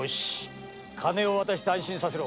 金を渡して安心させろ。